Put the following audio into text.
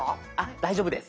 大丈夫です。